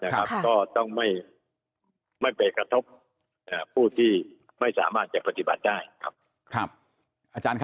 ก็ต้องไม่ไปกระทบผู้ที่ไม่สามารถจะปฏิบัติได้ครับ